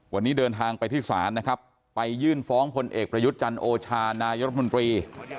วันนี้เดินทางไปที่ศาลนะครับไปยื่นฟ้องพลเอกประยุทธ์จันทร์โอชานายรัฐมนตรี